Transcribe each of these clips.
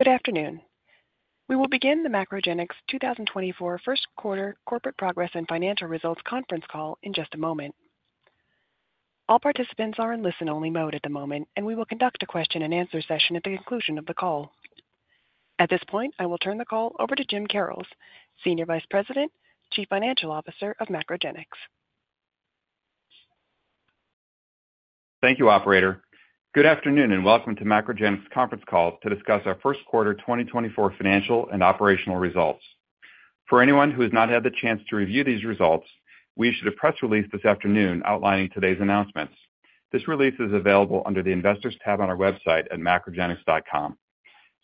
Good afternoon. We will begin the MacroGenics 2024 first quarter corporate progress and financial results conference call in just a moment. All participants are in listen-only mode at the moment, and we will conduct a question-and-answer session at the conclusion of the call. At this point, I will turn the call over to Jim Karrels, Senior Vice President, Chief Financial Officer of MacroGenics. Thank you, operator. Good afternoon, and welcome to MacroGenics' conference call to discuss our first quarter 2024 financial and operational results. For anyone who has not had the chance to review these results, we issued a press release this afternoon outlining today's announcements. This release is available under the Investors tab on our website at macrogenics.com.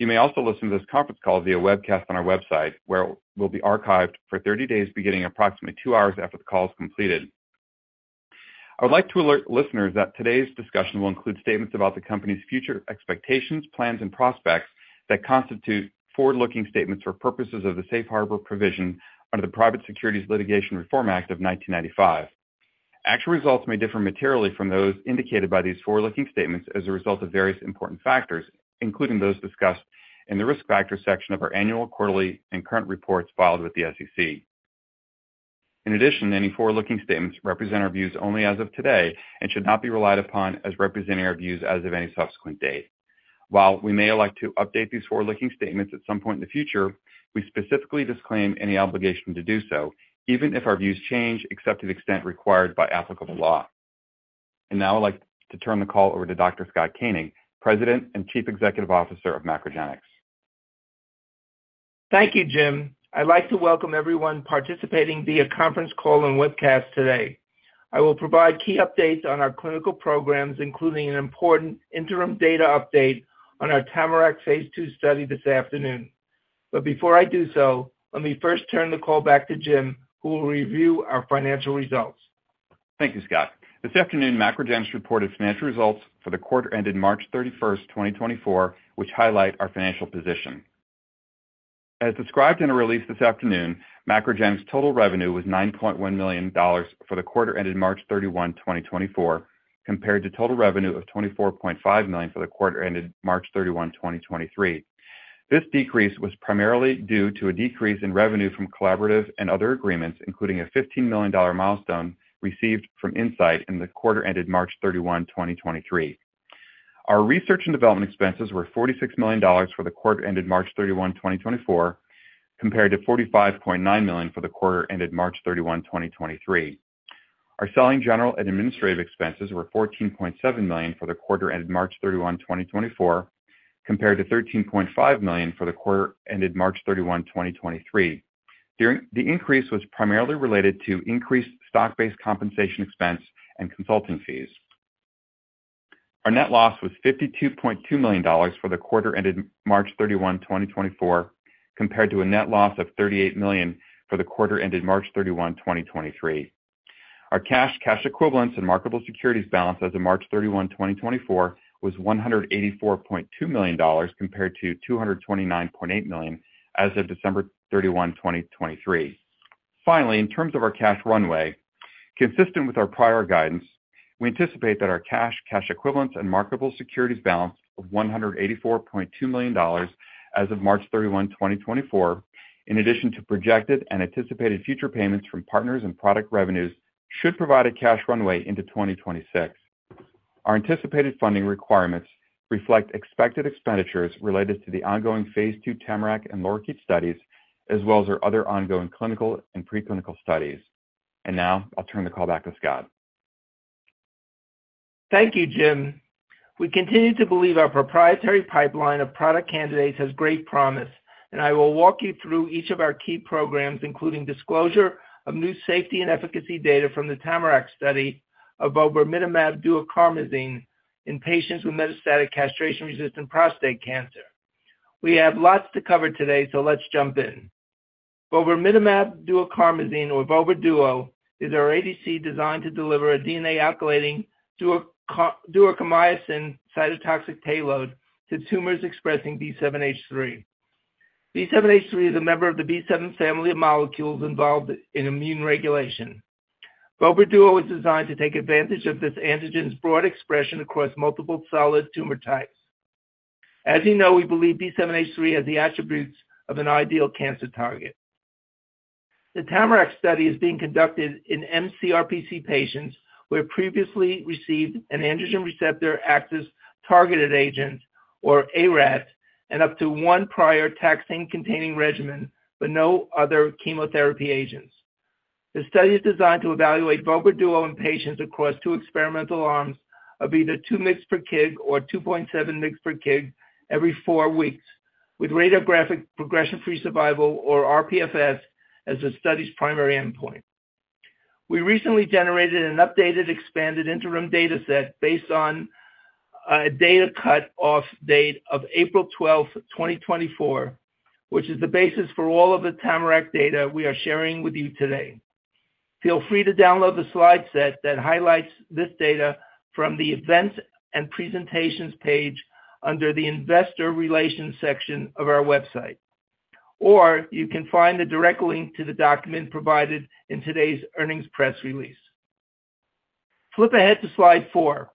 You may also listen to this conference call via webcast on our website, where it will be archived for 30 days, beginning approximately 2-hours after the call is completed. I would like to alert listeners that today's discussion will include statements about the company's future expectations, plans, and prospects that constitute forward-looking statements for purposes of the Safe Harbor provision under the Private Securities Litigation Reform Act of 1995. Actual results may differ materially from those indicated by these forward-looking statements as a result of various important factors, including those discussed in the risk factors section of our annual, quarterly, and current reports filed with the SEC. In addition, any forward-looking statements represent our views only as of today and should not be relied upon as representing our views as of any subsequent date. While we may elect to update these forward-looking statements at some point in the future, we specifically disclaim any obligation to do so, even if our views change, except to the extent required by applicable law. Now I'd like to turn the call over to Dr. Scott Koenig, President and Chief Executive Officer of MacroGenics. Thank you, Jim. I'd like to welcome everyone participating via conference call and webcast today. I will provide key updates on our clinical programs, including an important interim data update on our TAMARACK Phase II study this afternoon. But before I do so, let me first turn the call back to Jim, who will review our financial results. Thank you, Scott. This afternoon, MacroGenics reported financial results for the quarter ended March 31, 2024, which highlight our financial position. As described in a release this afternoon, MacroGenics' total revenue was $9.1 million for the quarter ended March 31, 2024, compared to total revenue of $24.5 million for the quarter ended March 31, 2023. This decrease was primarily due to a decrease in revenue from collaborative and other agreements, including a $15 million milestone received from Incyte in the quarter ended March 31, 2023. Our research and development expenses were $46 million for the quarter ended March 31, 2024, compared to $45.9 million for the quarter ended March 31, 2023. Our selling, general, and administrative expenses were $14.7 million for the quarter ended March 31, 2024, compared to $13.5 million for the quarter ended March 31, 2023. The increase was primarily related to increased stock-based compensation expense and consulting fees. Our net loss was $52.2 million for the quarter ended March 31, 2024, compared to a net loss of $38 million for the quarter ended March 31, 2023. Our cash, cash equivalents, and marketable securities balance as of March 31, 2024, was $184.2 million, compared to $229.8 million as of December 31, 2023. Finally, in terms of our cash runway, consistent with our prior guidance, we anticipate that our cash, cash equivalents, and marketable securities balance of $184.2 million as of March 31, 2024, in addition to projected and anticipated future payments from partners and product revenues, should provide a cash runway into 2026. Our anticipated funding requirements reflect expected expenditures related to the ongoing Phase II TAMARACK and LORIKEET studies, as well as our other ongoing clinical and preclinical studies. Now I'll turn the call back to Scott. Thank you, Jim. We continue to believe our proprietary pipeline of product candidates has great promise, and I will walk you through each of our key programs, including disclosure of new safety and efficacy data from the TAMARACK study of vobramitamab duocarmazine in patients with metastatic castration-resistant prostate cancer. We have lots to cover today, so let's jump in. Vobramitamab duocarmazine, or vobra duo, is our ADC designed to deliver a DNA alkylating duocarmazine cytotoxic payload to tumors expressing B7-H3. B7-H3 is a member of the B7 family of molecules involved in immune regulation. Vobra duo is designed to take advantage of this antigen's broad expression across multiple solid tumor types. As you know, we believe B7-H3 has the attributes of an ideal cancer target. The TAMARACK study is being conducted in mCRPC patients who have previously received an androgen receptor axis-targeted agent, or ARAT, and up to one prior taxane-containing regimen, but no other chemotherapy agents. The study is designed to evaluate vobra duo in patients across two experimental arms of either 2 mg/kg or 2.7 mg/kg every four weeks, with radiographic progression-free survival, or rPFS, as the study's primary endpoint. We recently generated an updated, expanded interim data set based on a data cut-off date of April 12, 2024, which is the basis for all of the TAMARACK data we are sharing with you today. Feel free to download the slide set that highlights this data from the Events and Presentations page under the Investor Relations section of our website. Or you can find a direct link to the document provided in today's earnings press release. Flip ahead to Slide 4,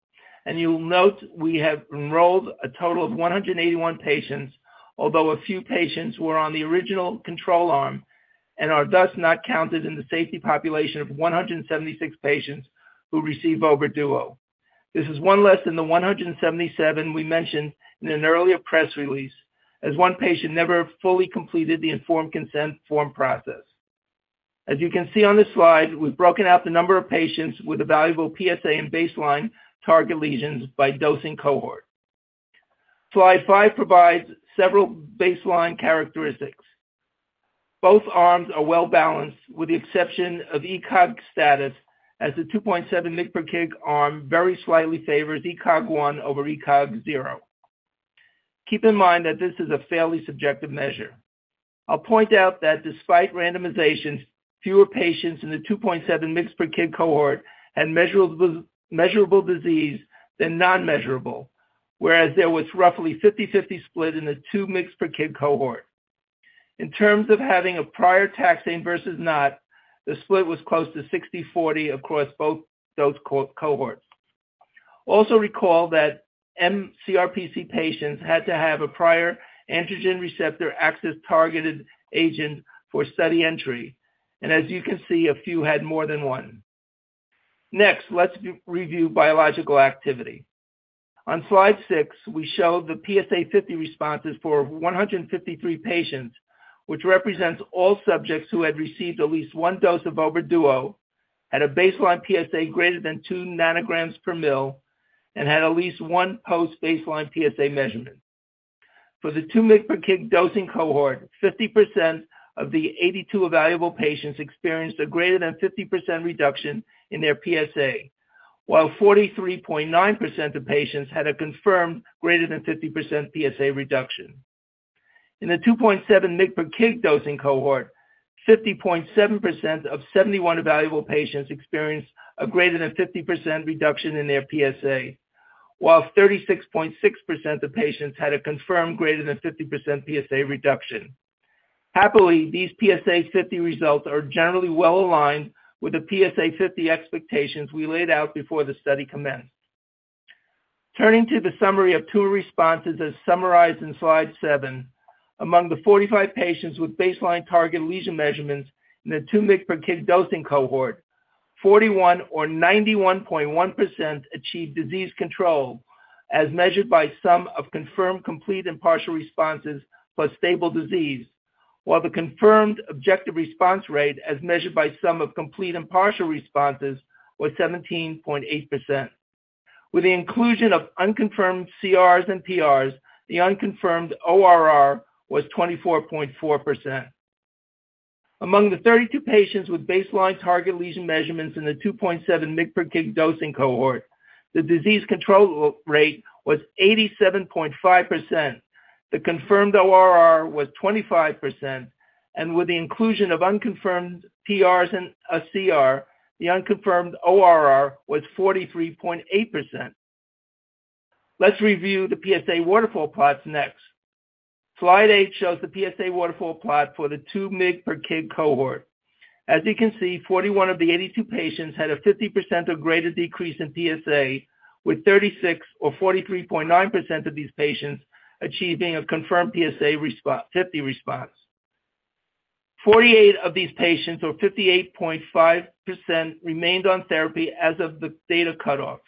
and you will note we have enrolled a total of 181 patients, although a few patients were on the original control arm and are thus not counted in the safety population of 176 patients who received vobra duo. This is one less than the 177 we mentioned in an earlier press release, as one patient never fully completed the informed consent form process. As you can see on this slide, we've broken out the number of patients with evaluable PSA and baseline target lesions by dosing cohort. Slide 5 provides several baseline characteristics. Both arms are well-balanced, with the exception of ECOG status, as the 2.7 mg per kg arm very slightly favors ECOG 1 over ECOG 0. Keep in mind that this is a fairly subjective measure. I'll point out that despite randomizations, fewer patients in the 2.7 mg per kg cohort had measurable disease than non-measurable, whereas there was roughly 50/50 split in the 2 mg per kg cohort. In terms of having a prior taxane versus not, the split was close to 60/40 across both dose cohorts. Also recall that mCRPC patients had to have a prior androgen receptor axis-targeted agent for study entry, and as you can see, a few had more than one. Next, let's re-review biological activity. On Slide 6, we show the PSA50 responses for 153 patients, which represents all subjects who had received at least one dose of vobra duo, had a baseline PSA greater than 2 nanograms per mL, and had at least one post-baseline PSA measurement. For the 2 mg per kg dosing cohort, 50% of the 82 evaluable patients experienced a greater than 50% reduction in their PSA, while 43.9% of patients had a confirmed greater than 50% PSA reduction. In the 2.7 mg per kg dosing cohort, 50.7% of 71 evaluable patients experienced a greater than 50% reduction in their PSA, while 36.6% of patients had a confirmed greater than 50% PSA reduction. Happily, these PSA50 results are generally well aligned with the PSA50 expectations we laid out before the study commenced. Turning to the summary of two responses, as summarized in Slide 7, among the 45 patients with baseline target lesion measurements in the 2 mg per kg dosing cohort, 41 or 91.1% achieved disease control, as measured by sum of confirmed, complete, and partial responses for stable disease, while the confirmed objective response rate, as measured by sum of complete and partial responses, was 17.8%. With the inclusion of unconfirmed CRs and PRs, the unconfirmed ORR was 24.4%. Among the 32 patients with baseline target lesion measurements in the 2.7 mg per kg dosing cohort, the disease control rate was 87.5%. The confirmed ORR was 25%, and with the inclusion of unconfirmed PRs and a CR, the unconfirmed ORR was 43.8%. Let's review the PSA waterfall plots next. Slide 8 shows the PSA waterfall plot for the 2 mg per kg cohort. As you can see, 41 of the 82 patients had a 50% or greater decrease in PSA, with 36 or 43.9% of these patients achieving a confirmed PSA50 response. 48 of these patients, or 58.5%, remained on therapy as of the data cutoff.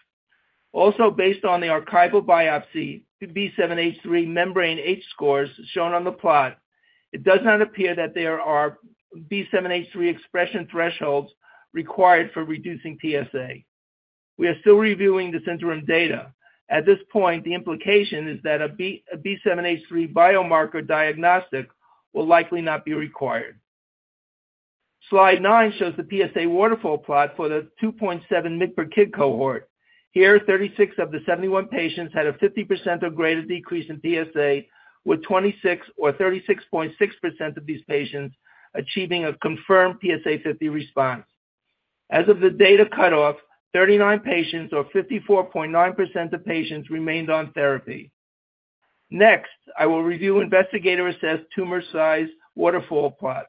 Also, based on the archival biopsy, the B7-H3 membrane H scores shown on the plot, it does not appear that there are B7-H3 expression thresholds required for reducing PSA. We are still reviewing this interim data. At this point, the implication is that a B7-H3 biomarker diagnostic will likely not be required. Slide 9 shows the PSA waterfall plot for the 2.7 mg per kg cohort. Here, 36 of the 71 patients had a 50% or greater decrease in PSA, with 26 or 36.6% of these patients achieving a confirmed PSA50 response. As of the data cutoff, 39 patients or 54.9% of patients remained on therapy. Next, I will review investigator-assessed tumor size waterfall plots.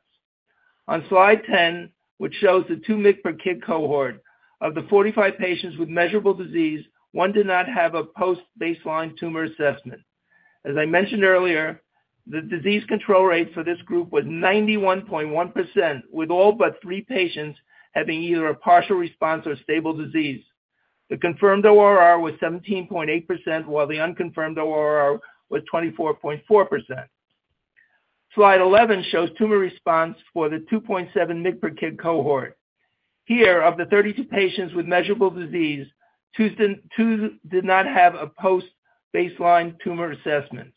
On Slide 10, which shows the 2 mg per kg cohort, of the 45 patients with measurable disease, one did not have a post-baseline tumor assessment. As I mentioned earlier, the disease control rate for this group was 91.1%, with all but three patients having either a partial response or stable disease. The confirmed ORR was 17.8%, while the unconfirmed ORR was 24.4%. Slide 11 shows tumor response for the 2.7 mg per kg cohort. Here, of the 32 patients with measurable disease, two did not have a post-baseline tumor assessment.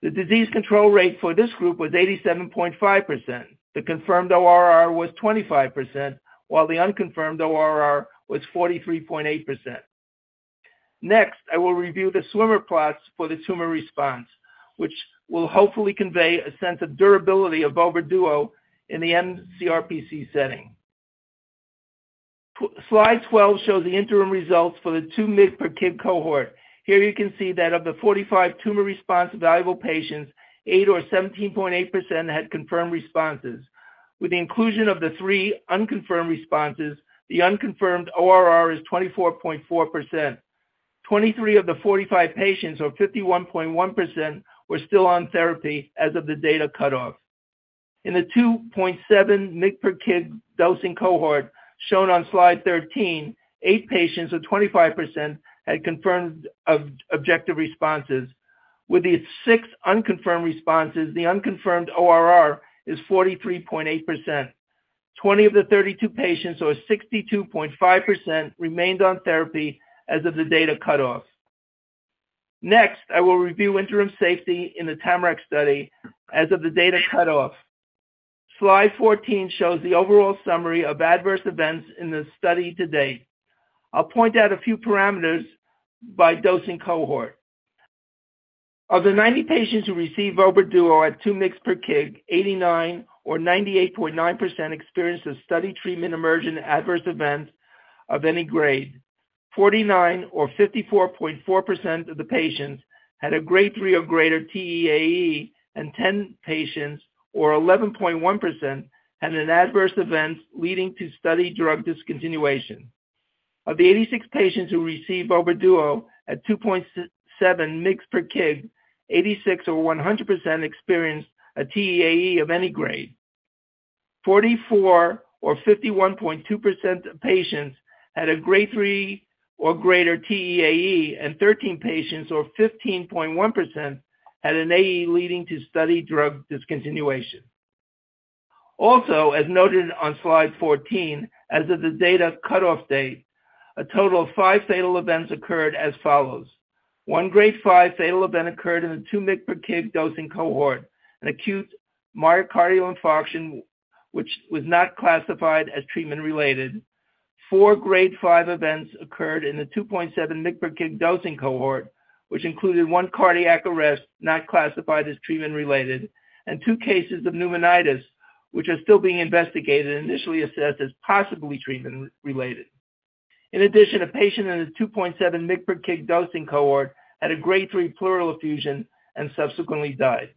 The disease control rate for this group was 87.5%. The confirmed ORR was 25%, while the unconfirmed ORR was 43.8%. Next, I will review the swimmer plots for the tumor response, which will hopefully convey a sense of durability of vobra duo in the mCRPC setting. Slide 12 shows the interim results for the 2 mg per kg cohort. Here you can see that of the 45 tumor response evaluable patients, eight or 17.8% had confirmed responses. With the inclusion of the three unconfirmed responses, the unconfirmed ORR is 24.4%. 23 of the 45 patients, or 51.1%, were still on therapy as of the data cutoff. In the 2.7 mg per kg dosing cohort shown on Slide 13, eight patients, or 25%, had confirmed objective responses. With these six unconfirmed responses, the unconfirmed ORR is 43.8%. 20 of the 32 patients, or 62.5%, remained on therapy as of the data cutoff. Next, I will review interim safety in the TAMARACK study as of the data cutoff. Slide 14 shows the overall summary of adverse events in the study to date. I'll point out a few parameters by dosing cohort. Of the 90 patients who received vobra duo at 2 mg per kg, 89 or 98.9%, experienced a study treatment-emergent adverse event of any grade. 49 or 54.4% of the patients had a Grade 3 or greater TEAE, and 10 patients, or 11.1%, had an adverse event leading to study drug discontinuation. Of the 86 patients who received vobra duo at 2.7 mg per kg, 86 or 100% experienced a TEAE of any grade. 44 or 51.2% of patients had a Grade 3 or greater TEAE, and 13 patients, or 15.1%, had an AE leading to study drug discontinuation. Also, as noted on Slide 14, as of the data cutoff date, a total of five fatal events occurred as follows: one grade five fatal event occurred in the 2 mg per kg dosing cohort, an acute myocardial infarction, which was not classified as treatment-related. Four Grade 5 events occurred in the 2.7 mg per kg dosing cohort, which included one cardiac arrest, not classified as treatment-related, and two cases of pneumonitis, which are still being investigated and initially assessed as possibly treatment-related. In addition, a patient in the 2.7 mg per kg dosing cohort had a Grade 3 pleural effusion and subsequently died.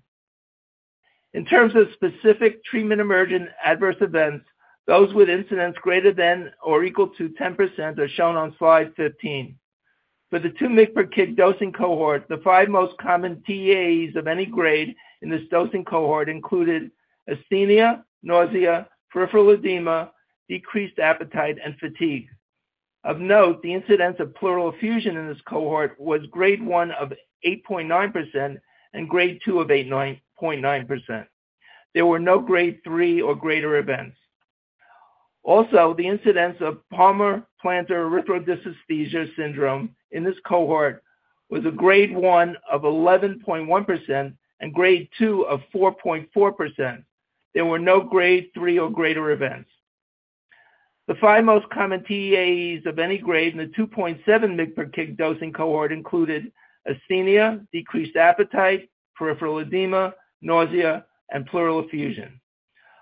In terms of specific treatment-emergent adverse events, those with incidents greater than or equal to 10% are shown on Slide 15. For the 2 mg per kg dosing cohort, the five most common TEAEs of any grade in this dosing cohort included asthenia, nausea, peripheral edema, decreased appetite, and fatigue. Of note, the incidence of pleural effusion in this cohort was Grade 1 of 8.9% and Grade 2 of 8.9%. There were no Grade 3 or greater events. Also, the incidence of palmar-plantar erythrodysesthesia syndrome in this cohort was grade 1 of 11.1% and grade 2 of 4.4%. There were no Grade 3 or greater events. The five most common TEAEs of any grade in the 2.7 mg/kg dosing cohort included asthenia, decreased appetite, peripheral edema, nausea, and pleural effusion.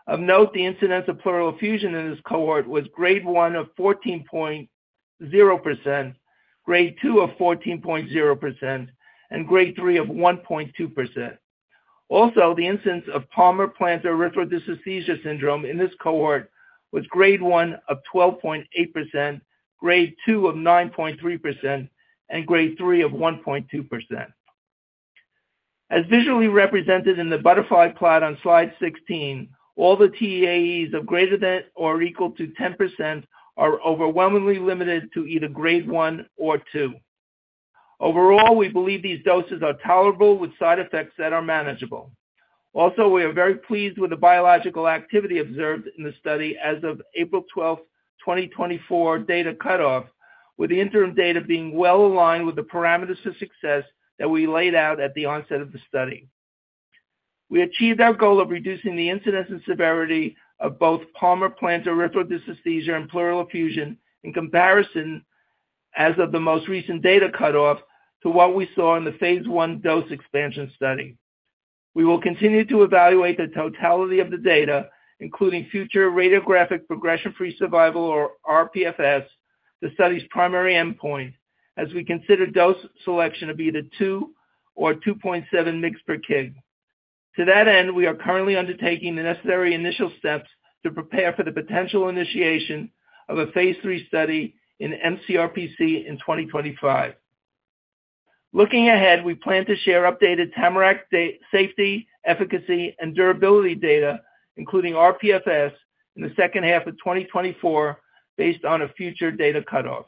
Of note, the incidence of pleural effusion in this cohort was grade 1 of 14.0%, Grade 2 of 14.0%, and Grade 3 of 1.2%. Also, the incidence of palmar-plantar erythrodysesthesia syndrome in this cohort was Grade 1 of 12.8%, Grade 2 of 9.3%, and Grade 3 of 1.2%. As visually represented in the butterfly plot on Slide 16, all the TEAEs of greater than or equal to 10% are overwhelmingly limited to either Grade 1 or 2. Overall, we believe these doses are tolerable with side effects that are manageable. Also, we are very pleased with the biological activity observed in the study as of April 12, 2024, data cutoff, with the interim data being well aligned with the parameters for success that we laid out at the onset of the study. We achieved our goal of reducing the incidence and severity of both palmar-plantar erythrodysesthesia and pleural effusion in comparison as of the most recent data cutoff to what we saw in the Phase I dose expansion study. We will continue to evaluate the totality of the data, including future radiographic progression-free survival or rPFS, the study's primary endpoint, as we consider dose selection of either 2 or 2.7 mg/kg. To that end, we are currently undertaking the necessary initial steps to prepare for the potential initiation of a Phase III study in mCRPC in 2025. Looking ahead, we plan to share updated TAMARACK data, safety, efficacy, and durability data, including rPFS, in the second half of 2024 based on a future data cutoff.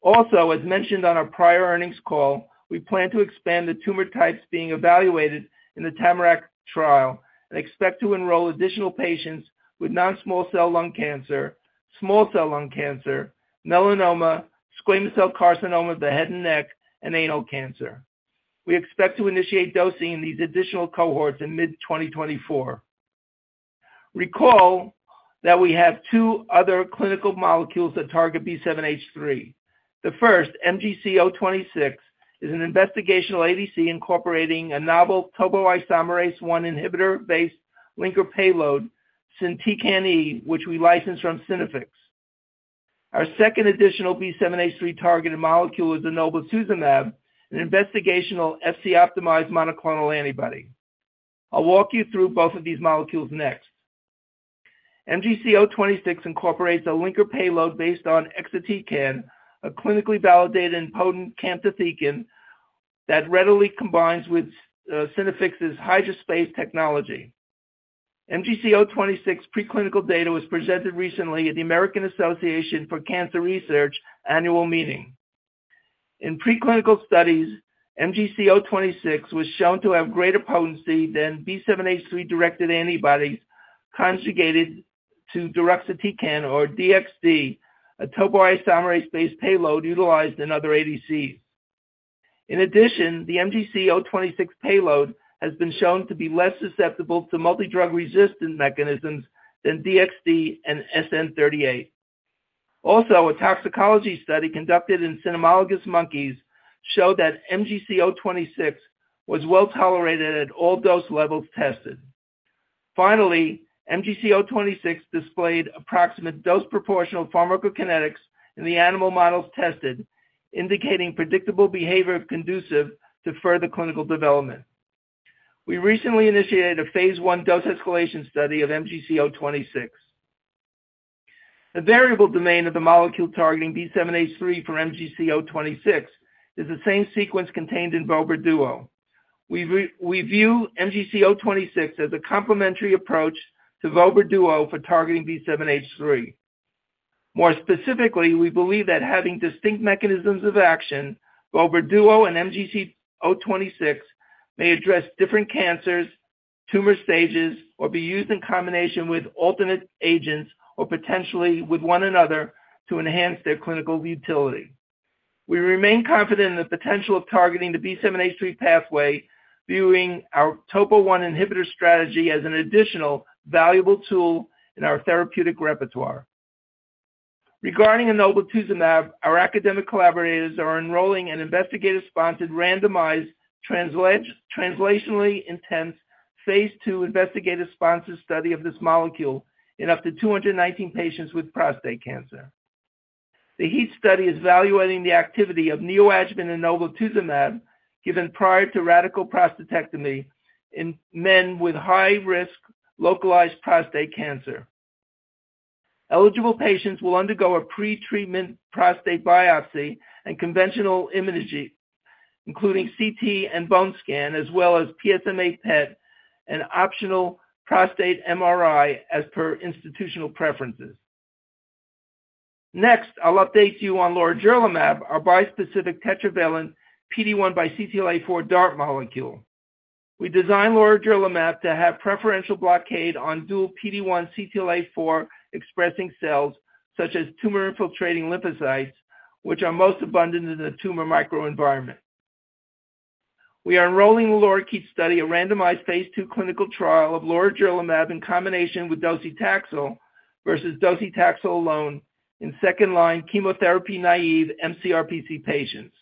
Also, as mentioned on our prior earnings call, we plan to expand the tumor types being evaluated in the TAMARACK trial and expect to enroll additional patients with non-small cell lung cancer, small cell lung cancer, melanoma, squamous cell carcinoma of the head and neck, and anal cancer. We expect to initiate dosing in these additional cohorts in mid-2024. Recall that we have two other clinical molecules that target B7-H3. The first, MGC026, is an investigational ADC incorporating a novel topoisomerase 1 inhibitor-based linker payload, SYNtecan E, which we licensed from Synaffix. Our second additional B7-H3-targeted molecule is enoblituzumab, an investigational Fc-optimized monoclonal antibody. I'll walk you through both of these molecules next. MGC026 incorporates a linker payload based on exatecan, a clinically validated and potent camptothecin that readily combines with Synaffix's HydraSpace technology. MGC026 preclinical data was presented recently at the American Association for Cancer Research annual meeting. In preclinical studies, MGC026 was shown to have greater potency than B7-H3-directed antibodies conjugated to deruxtecan or DXd, a topoisomerase-based payload utilized in other ADCs. In addition, the MGC026 payload has been shown to be less susceptible to multidrug-resistant mechanisms than DXd and SN-38. Also, a toxicology study conducted in cynomolgus monkeys showed that MGC026 was well tolerated at all dose levels tested. Finally, MGC026 displayed approximate dose proportional pharmacokinetics in the animal models tested, indicating predictable behavior conducive to further clinical development. We recently initiated a Phase I dose-escalation study of MGC026. The variable domain of the molecule targeting B7-H3 for MGC026 is the same sequence contained in vobra duo. We view MGC026 as a complementary approach to vobra duo for targeting B7-H3. More specifically, we believe that having distinct mechanisms of action, vobra duo and MGC026, may address different cancers, tumor stages, or be used in combination with alternate agents or potentially with one another to enhance their clinical utility. We remain confident in the potential of targeting the B7-H3 pathway, viewing our topo1 inhibitor strategy as an additional valuable tool in our therapeutic repertoire. Regarding enoblituzumab, our academic collaborators are enrolling an investigator-sponsored, randomized, translationally intense, Phase II investigator-sponsored study of this molecule in up to 219 patients with prostate cancer. The HEAT study is evaluating the activity of neoadjuvant enoblituzumab, given prior to radical prostatectomy in men with high-risk localized prostate cancer. Eligible patients will undergo a pretreatment prostate biopsy and conventional imaging, including CT and bone scan, as well as PSMA PET and optional prostate MRI, as per institutional preferences. Next, I'll update you on lorigerlimab, our bispecific tetravalent PD-1 by CTLA-4 DART molecule. We designed lorigerlimab to have preferential blockade on dual PD-1 CTLA-4 expressing cells, such as tumor-infiltrating lymphocytes, which are most abundant in the tumor microenvironment. We are enrolling the LORIKEET study, a randomized Phase II clinical trial of lorigerlimab in combination with docetaxel versus docetaxel alone in second-line chemotherapy-naive mCRPC patients.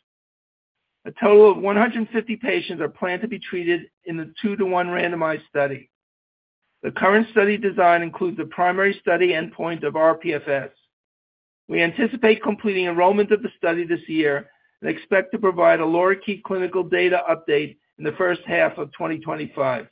A total of 150 patients are planned to be treated in a 2:1 randomized study. The current study design includes the primary study endpoint of rPFS. We anticipate completing enrollment of the study this year and expect to provide a LORIKEET clinical data update in the first half of 2025.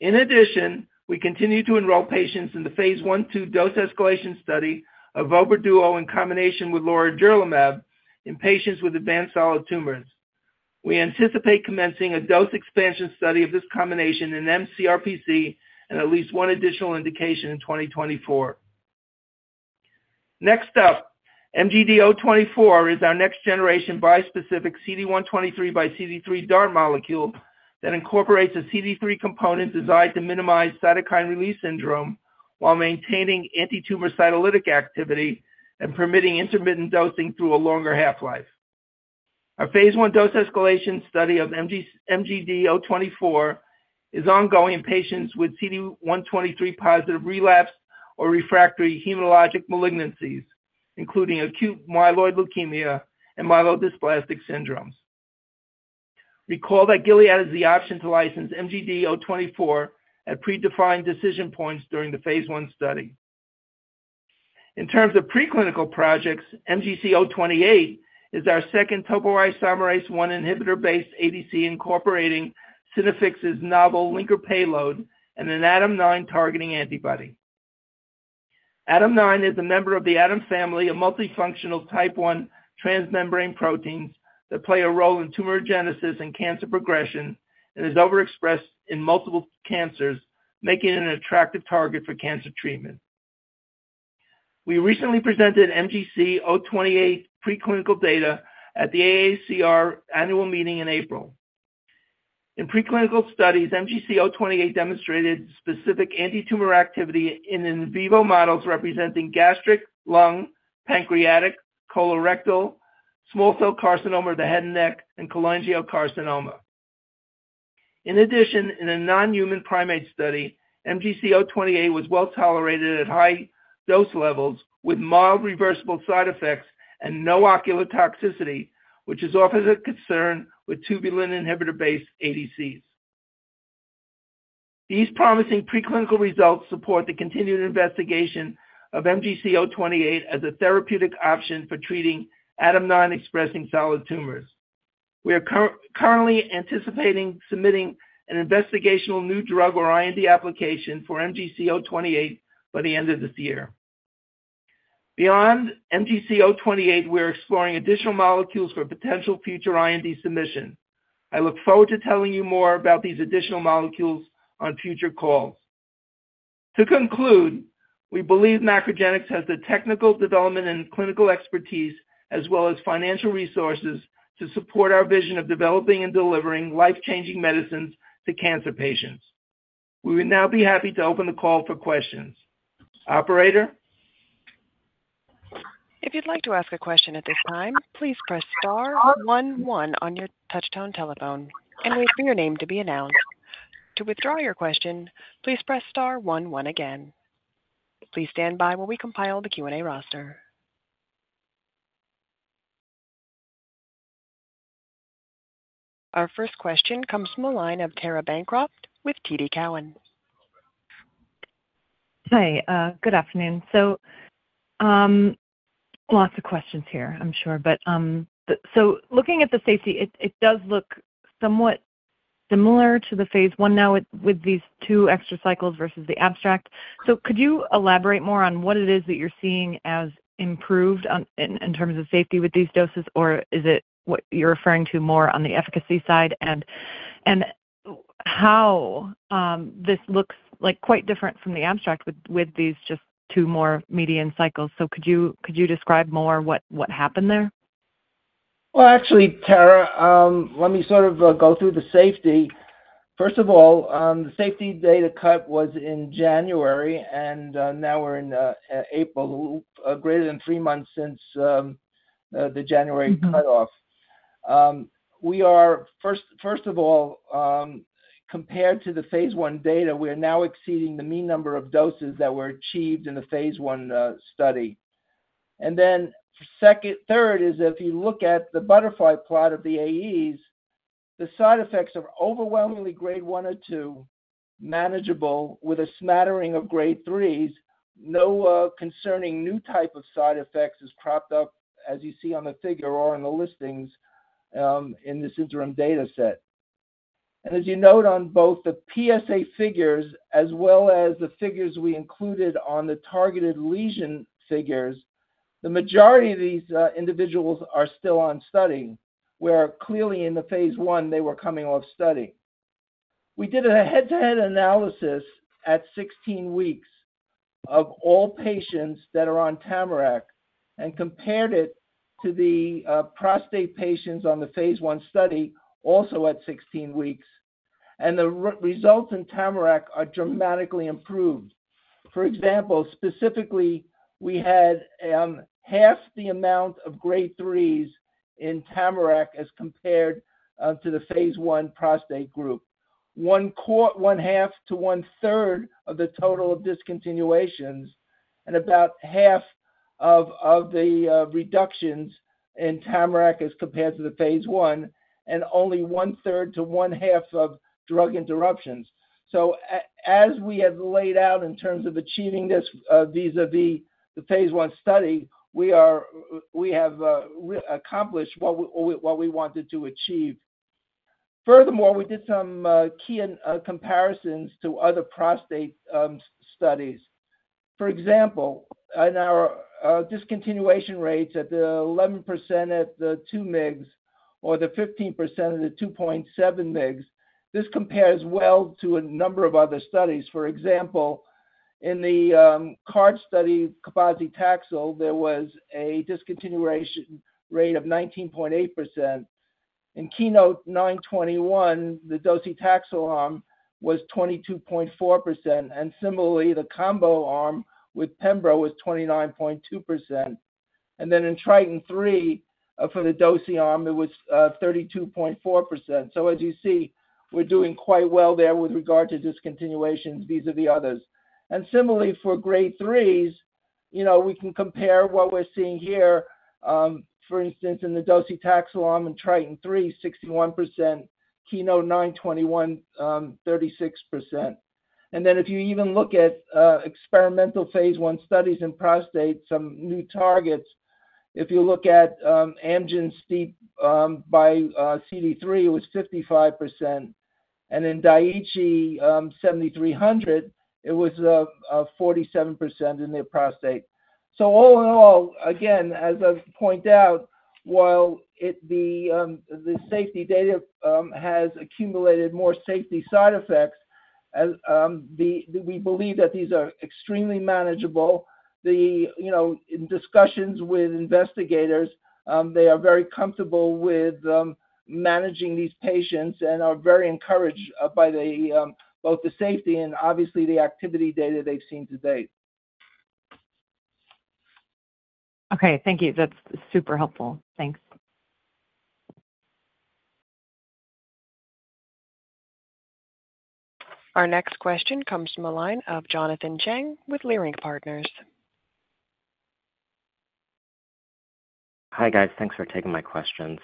In addition, we continue to enroll patients in the Phase I/II dose-escalation study of vobra duo in combination with lorigerlimab in patients with advanced solid tumors. We anticipate commencing a dose expansion study of this combination in mCRPC and at least one additional indication in 2024. Next up, MGD024 is our next-generation bispecific CD123 by CD3 DART molecule that incorporates a CD3 component designed to minimize cytokine release syndrome while maintaining antitumor cytolytic activity and permitting intermittent dosing through a longer half-life. Our Phase I dose-escalation study of MGD024 is ongoing in patients with CD123-positive relapse or refractory hematologic malignancies, including acute myeloid leukemia and myelodysplastic syndromes. Recall that Gilead has the option to license MGD024 at predefined decision points during the Phase I study. In terms of preclinical projects, MGC028 is our second topoisomerase 1 inhibitor-based ADC, incorporating Synaffix's novel linker payload and an ADAM9-targeting antibody. ADAM9 is a member of the ADAM family, a multifunctional type I transmembrane proteins that play a role in tumorigenesis and cancer progression and is overexpressed in multiple cancers, making it an attractive target for cancer treatment. We recently presented MGC028 preclinical data at the AACR Annual Meeting in April. In addition, in a non-human primate study, MGC028 was well tolerated at high dose levels with mild reversible side effects and no ocular toxicity, which is often a concern with tubulin inhibitor-based ADCs. These promising preclinical results support the continued investigation of MGC028 as a therapeutic option for treating ADAM9-expressing solid tumors. We are currently anticipating submitting an investigational new drug or IND application for MGC028 by the end of this year. Beyond MGC028, we're exploring additional molecules for potential future IND submission. I look forward to telling you more about these additional molecules on future calls. To conclude, we believe MacroGenics has the technical development and clinical expertise, as well as financial resources to support our vision of developing and delivering life-changing medicines to cancer patients. We would now be happy to open the call for questions. Operator? If you'd like to ask a question at this time, please press star one one on your touchtone telephone and wait for your name to be announced. To withdraw your question, please press star one one again. Please stand by while we compile the Q&A roster. Our first question comes from the line of Tara Bancroft with TD Cowen. Hi, good afternoon. So, lots of questions here, I'm sure. But, so looking at the safety, it does look somewhat similar to the Phase I now with these two extra cycles versus the abstract. So could you elaborate more on what it is that you're seeing as improved on in terms of safety with these doses? Or is it what you're referring to more on the efficacy side? And how this looks like quite different from the abstract with these just two more median cycles. So could you describe more what happened there? Well, actually, Tara, let me sort of go through the safety. First of all, the safety data cut was in January, and now we're in April, greater than three months since the January cutoff. First of all, compared to the Phase I data, we are now exceeding the mean number of doses that were achieved in the Phase I study. And then second, third is, if you look at the butterfly plot of the AEs, the side effects are overwhelmingly Grade 1 or 2, manageable, with a smattering of Grade 3s. No concerning new type of side effects is propped up, as you see on the figure or on the listings, in this interim data set. And as you note on both the PSA figures as well as the figures we included on the targeted lesion figures, the majority of these individuals are still on study, where clearly in the Phase I, they were coming off study. We did a head-to-head analysis at 16 weeks of all patients that are on TAMARACK and compared it to the prostate patients on the Phase I study, also at 16 weeks, and the results in TAMARACK are dramatically improved. For example, specifically, we had half the amount of Grade 3s in TAMARACK as compared to the Phase I prostate group. One half to one third of the total of discontinuations, and about half of the reductions in TAMARACK as compared to the Phase I, and only one third to one half of drug interruptions. So as we have laid out in terms of achieving this vis-a-vis the Phase I study, we have accomplished what we wanted to achieve. Furthermore, we did some key comparisons to other prostate studies. For example, in our discontinuation rates at the 11% at the 2 mgs or the 15% of the 2.7 mgs, this compares well to a number of other studies. For example, in the CARD study, cabazitaxel, there was a discontinuation rate of 19.8%. In KEYNOTE-921, the docetaxel arm was 22.4%, and similarly, the combo arm with pembro was 29.2%. And then in TRITON3, for the doci arm, it was 32.4%. So as you see, we're doing quite well there with regard to discontinuations, vis-à-vis others. And similarly for Grade 3s, you know, we can compare what we're seeing here, for instance, in the docetaxel arm in TRITON3, 61%, KEYNOTE-921, 36%. And then if you even look at experimental Phase I studies in prostate, some new targets, if you look at Amgen's STEAP1 by CD3, it was 55%, and in Daiichi 7300, it was 47% in their prostate. So all in all, again, as I've pointed out, while the safety data has accumulated more safety side effects, as the-- we believe that these are extremely manageable. You know, in discussions with investigators, they are very comfortable with managing these patients and are very encouraged by both the safety and obviously the activity data they've seen to date. Okay, thank you. That's super helpful. Thanks. Our next question comes from the line of Jonathan Chang with Leerink Partners. Hi, guys. Thanks for taking my questions.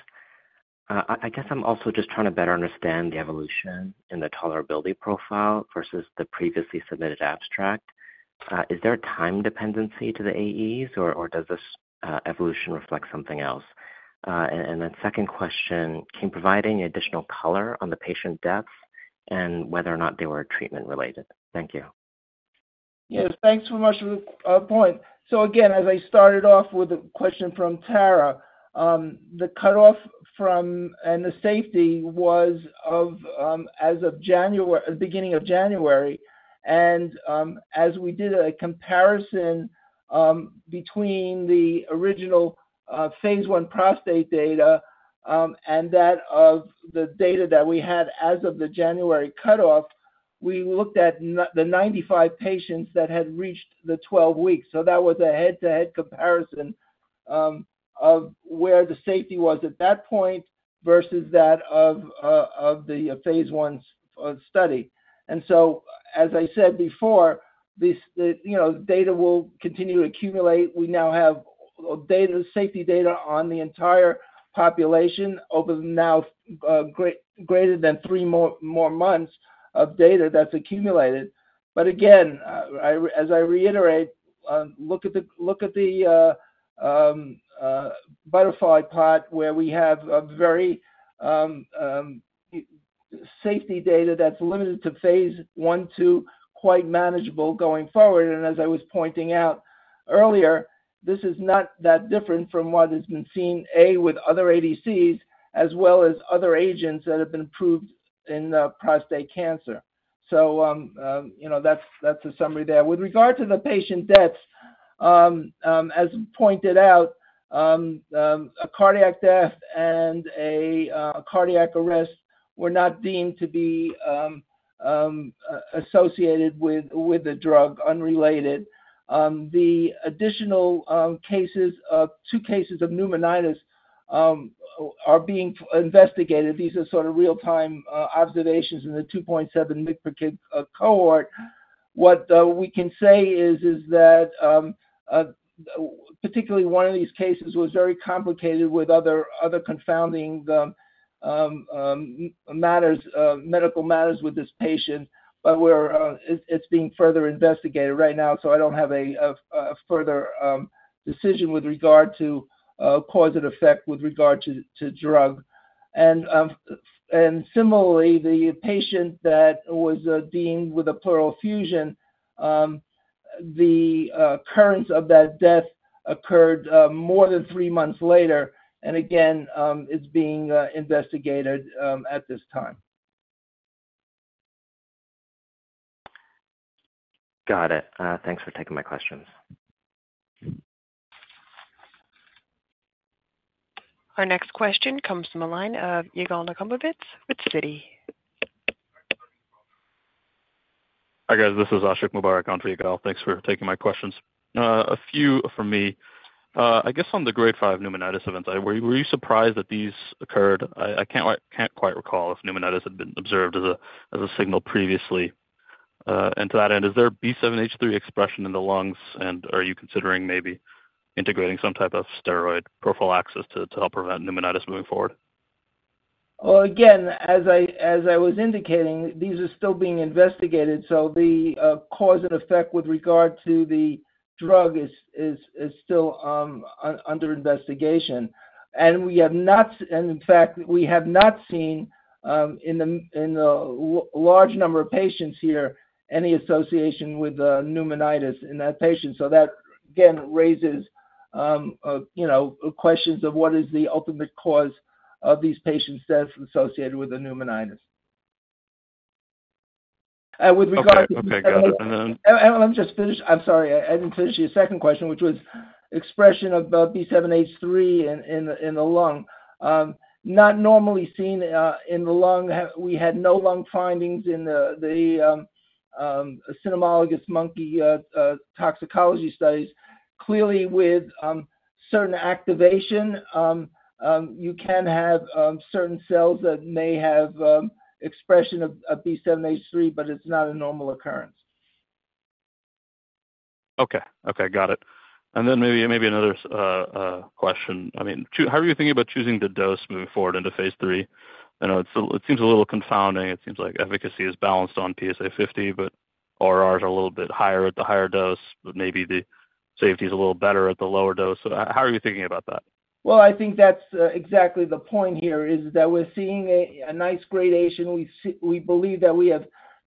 I guess I'm also just trying to better understand the evolution in the tolerability profile versus the previously submitted abstract. Is there a time dependency to the AEs, or does this evolution reflect something else? And then second question, can you provide any additional color on the patient deaths and whether or not they were treatment related? Thank you. Yes, thanks so much for the point. So again, as I started off with a question from Tara, the cutoff from, and the safety was of, as of January, beginning of January. And, as we did a comparison, between the original, Phase I prostate data, and that of the data that we had as of the January cutoff, we looked at the 95 patients that had reached the 12 weeks. So that was a head-to-head comparison, of where the safety was at that point versus that of, of the Phase I's study. And so, as I said before, this, the, you know, data will continue to accumulate. We now have, data, safety data on the entire population over now, greater than three more months of data that's accumulated. But again, as I reiterate, look at the, look at the, B7-H3 part where we have a very, safety data that's limited to Phase I, II, quite manageable going forward. And as I was pointing out earlier, this is not that different from what has been seen, with other ADCs, as well as other agents that have been approved in, prostate cancer. So, you know, that's, that's a summary there. With regard to the patient deaths, as pointed out, a cardiac death and a, a cardiac arrest were not deemed to be, associated with the drug, unrelated. The additional, cases, two cases of pneumonitis, are being investigated. These are sort of real-time, observations in the 2.7 mg/kg cohort. What we can say is that particularly one of these cases was very complicated with other confounding matters, medical matters with this patient, but it's being further investigated right now, so I don't have a further decision with regard to cause and effect with regard to to drug. And similarly, the patient that was deemed with a pleural effusion, the occurrence of that death occurred more than three months later, and again, is being investigated at this time. Got it. Thanks for taking my questions. Our next question comes from the line of Yigal Nochomovitz with Citi. Hi, guys, this is Ashiq Mubarack on for Yigal. Thanks for taking my questions. A few from me. I guess on the grade five pneumonitis event, were you surprised that these occurred? I can't quite recall if pneumonitis had been observed as a signal previously. And to that end, is there B7-H3 expression in the lungs, and are you considering maybe integrating some type of steroid prophylaxis to help prevent pneumonitis moving forward? Well, again, as I was indicating, these are still being investigated, so the cause and effect with regard to the drug is still under investigation. And we have not, and in fact, we have not seen, in the large number of patients here, any association with pneumonitis in that patient. So that, again, raises, you know, questions of what is the ultimate cause of these patients' deaths associated with the pneumonitis. And with regard to- Okay. Okay, got it. And then- Let me just finish. I'm sorry, I didn't finish your second question, which was expression of the B7-H3 in the lung. Not normally seen in the lung. We had no lung findings in the cynomolgus monkey toxicology studies. Clearly, with certain activation, you can have certain cells that may have expression of B7-H3, but it's not a normal occurrence. Okay. Okay, got it. And then maybe another question. I mean, choose... How are you thinking about choosing the dose moving forward into Phase III? I know it's a little, it seems a little confounding. It seems like efficacy is balanced on PSA50, but RRs are a little bit higher at the higher dose, but maybe the safety is a little better at the lower dose. So how are you thinking about that? Well, I think that's exactly the point here, is that we're seeing a nice gradation. We see. We believe that we have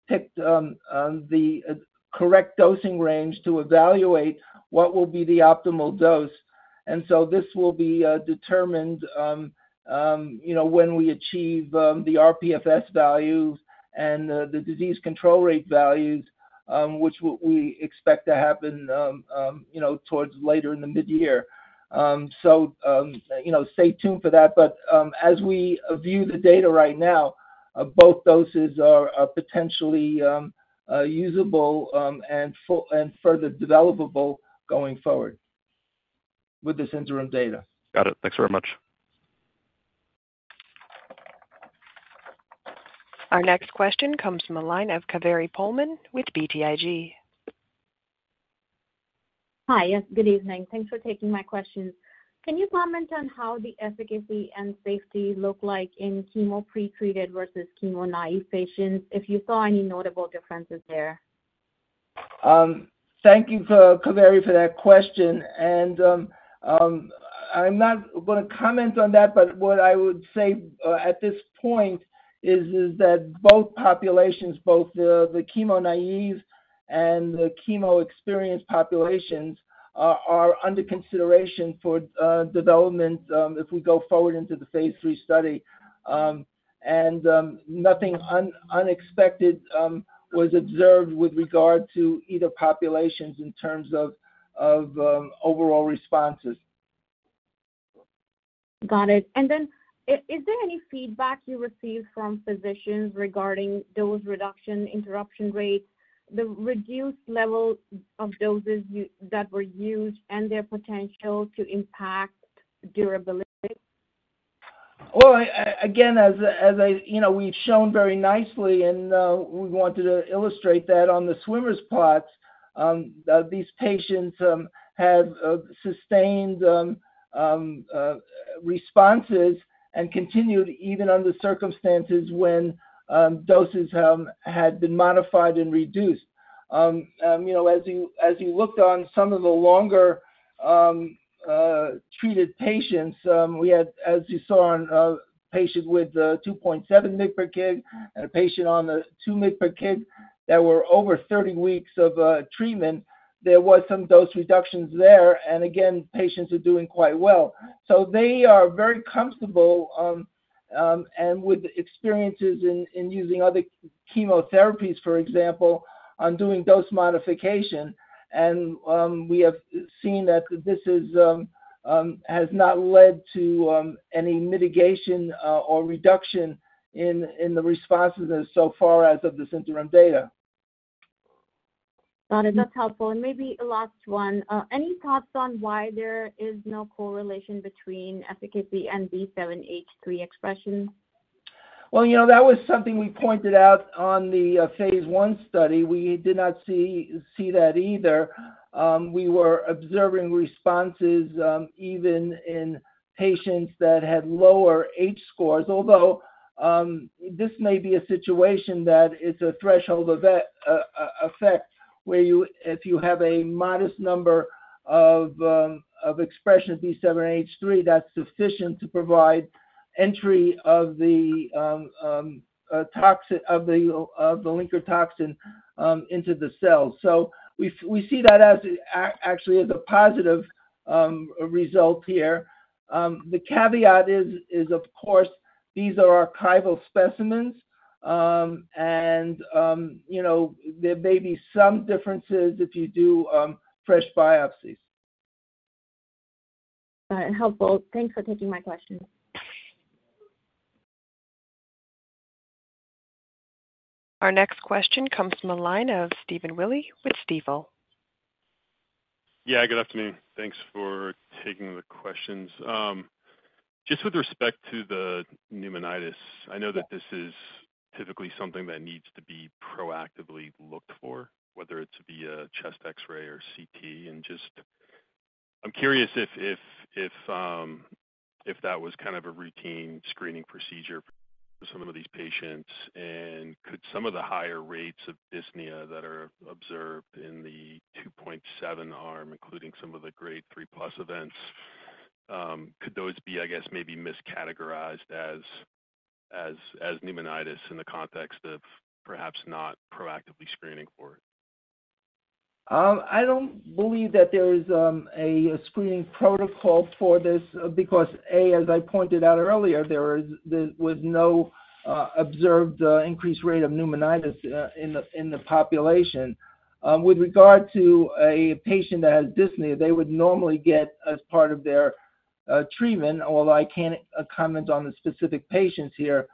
picked the correct dosing range to evaluate what will be the optimal dose. And so this will be determined, you know, when we achieve the rPFS values and the disease control rate values, which we expect to happen, you know, towards later in the midyear. So, you know, stay tuned for that. But, as we view the data right now, both doses are potentially usable and further developable going forward with this interim data. Got it. Thanks very much. Our next question comes from a line of Kaveri Pohlman with BTIG. Hi, yes, good evening. Thanks for taking my questions. Can you comment on how the efficacy and safety look like in chemo pre-treated versus chemo-naive patients, if you saw any notable differences there? Thank you, Kaveri, for that question. I'm not gonna comment on that, but what I would say at this point is that both populations, both the chemo-naive and the chemo-experienced populations are under consideration for development, if we go forward into the Phase III study. Nothing unexpected was observed with regard to either populations in terms of overall responses. Got it. And then, is there any feedback you received from physicians regarding dose reduction, interruption rates, the reduced level of doses you, that were used and their potential to impact durability? Well, again, as I, you know, we've shown very nicely, and we wanted to illustrate that on the swimmer's plot, these patients had sustained responses and continued even under circumstances when doses had been modified and reduced. You know, as you looked on some of the longer treated patients, we had, as you saw on patients with 2.7 mg per kg and a patient on the 2 mg per kg that were over 30 weeks of treatment, there was some dose reductions there, and again, patients are doing quite well. So they are very comfortable and with experiences in using other chemotherapies, for example, on doing dose modification. We have seen that this is has not led to any mitigation or reduction in the responses so far as of the interim data. Got it. That's helpful. And maybe a last one. Any thoughts on why there is no correlation between efficacy and B7-H3 expression? Well, you know, that was something we pointed out on the Phase I study. We did not see that either. We were observing responses even in patients that had lower H scores, although this may be a situation that it's a threshold effect, where you if you have a modest number of expression B7-H3, that's sufficient to provide entry of the toxin of the linker toxin into the cell. So we see that as actually as a positive result here. The caveat is of course these are archival specimens, and you know, there may be some differences if you do fresh biopsies. Helpful. Thanks for taking my question. Our next question comes from the line of Stephen Willey with Stifel. Yeah, good afternoon. Thanks for taking the questions. Just with respect to the pneumonitis, I know that this is typically something that needs to be proactively looked for, whether it's via chest X-ray or CT. And just, I'm curious if that was kind of a routine screening procedure for some of these patients, and could some of the higher rates of dyspnea that are observed in the 2.7 arm, including some of the grade 3+ events, could those be, I guess, maybe miscategorized as pneumonitis in the context of perhaps not proactively screening for it? I don't believe that there is a screening protocol for this, because, A, as I pointed out earlier, there was no observed increased rate of pneumonitis in the population. With regard to a patient that has dyspnea, they would normally get, as part of their treatment, although I can't comment on the specific patients here,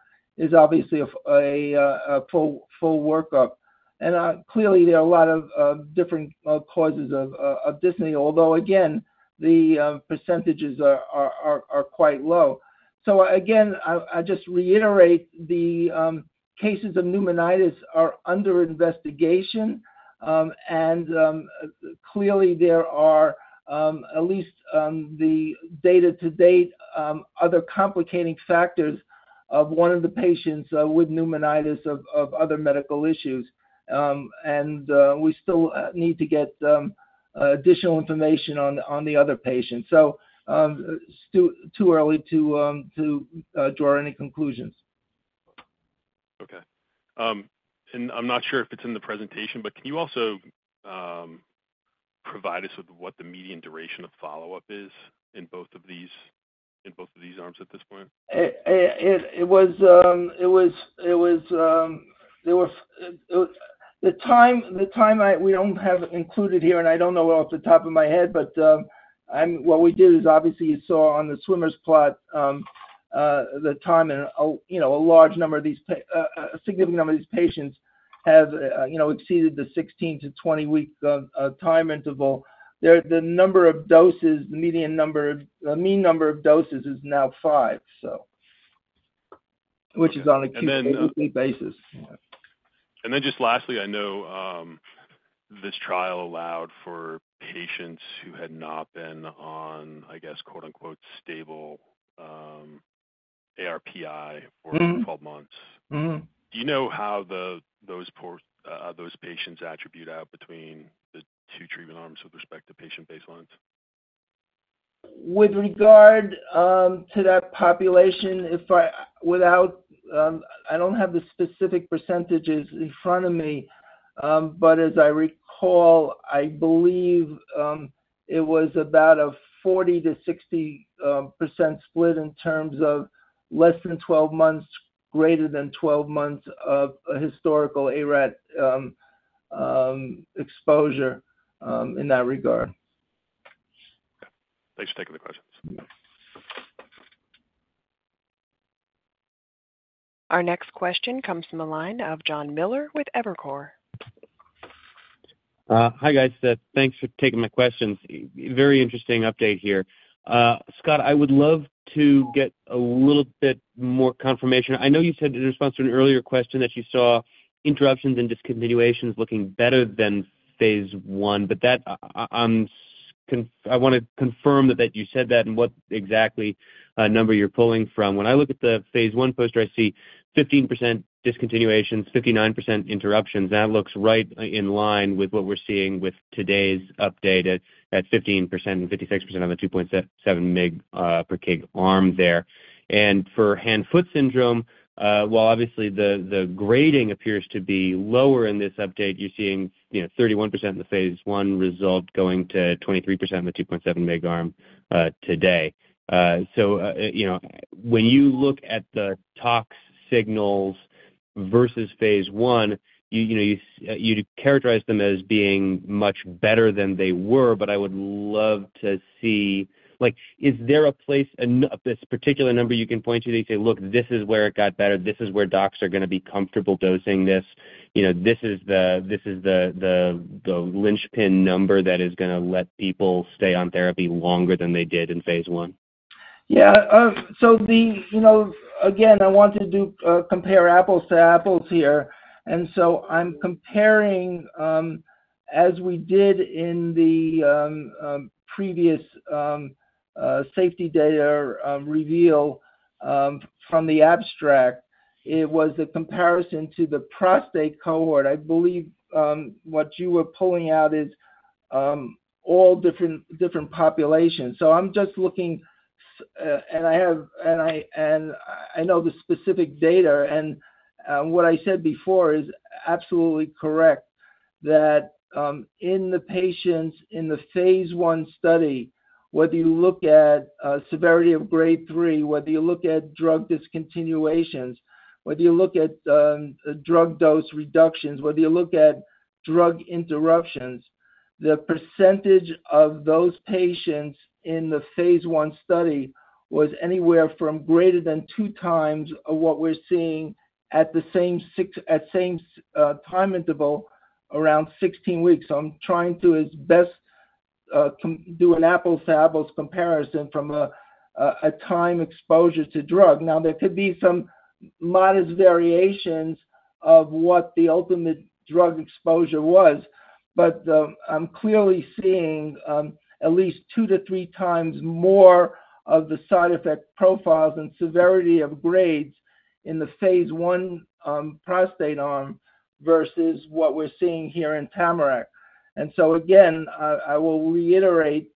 obviously a full workup. And clearly, there are a lot of different causes of dyspnea, although again, the percentages are quite low. So again, I just reiterate the cases of pneumonitis are under investigation, and clearly there are, at least the data to date, other complicating factors of one of the patients with pneumonitis of other medical issues. And we still need to get additional information on the other patients. So, it's too early to draw any conclusions. Okay. And I'm not sure if it's in the presentation, but can you also provide us with what the median duration of follow-up is in both of these, in both of these arms at this point? We don't have it included here, and I don't know off the top of my head, but and what we did is obviously you saw on the swimmers plot, the time and, you know, a large number of these patients have, you know, exceeded the 16-20-week time interval. The number of doses, the mean number of doses is now five, so, which is on an acute basis. And then just lastly, I know, this trial allowed for patients who had not been on, I guess, quote, unquote, stable, ARPI for 12 months. Do you know how those patients attribute out between the two treatment arms with respect to patient baselines? With regard to that population, I don't have the specific percentages in front of me, but as I recall, I believe it was about a 40%-60% split in terms of less than 12 months, greater than 12 months of a historical ARAT exposure in that regard. Thanks for taking the questions. Our next question comes from the line of Jon Miller with Evercore. Hi, guys. Thanks for taking my questions. Very interesting update here. Scott, I would love to get a little bit more confirmation. I know you said in response to an earlier question that you saw interruptions and discontinuations looking better than Phase I, but that, I want to confirm that, that you said that and what exactly, number you're pulling from. When I look at the Phase I poster, I see 15% discontinuations, 59% interruptions. That looks right in line with what we're seeing with today's update at, at 15% and 56% on the 2.7 mg per kg arm there. For hand-foot syndrome, while obviously the grading appears to be lower in this update, you're seeing, you know, 31% in the Phase I result, going to 23% in the 2.7 mg arm, today. So, you know, when you look at the tox signals versus Phase I, you know, you characterize them as being much better than they were, but I would love to see... Like, is there a place, this particular number you can point to, they say, "Look, this is where it got better. This is where docs are going to be comfortable dosing this. You know, this is the, this is the linchpin number that is going to let people stay on therapy longer than they did in Phase I? Yeah, so the, you know, again, I wanted to do compare apples to apples here, and so I'm comparing, as we did in the previous safety data reveal from the abstract. It was a comparison to the prostate cohort. I believe what you were pulling out is all different, different populations. So I'm just looking, and I have, and I know the specific data, and what I said before is absolutely correct, that in the patients in the Phase I study, whether you look at severity of Grade 3. Whether you look at drug discontinuations, whether you look at drug dose reductions, whether you look at drug interruptions, the percentage of those patients in the Phase I study was anywhere from greater than 2x of what we're seeing at the same six, at same time interval, around 16 weeks. I'm trying to as best do an apples to apples comparison from a time exposure to drug. Now, there could be some modest variations of what the ultimate drug exposure was, but, I'm clearly seeing, at least 2-3x more of the side effect profiles and severity of grades in the Phase I prostate arm versus what we're seeing here in TAMARACK. And so again, I will reiterate,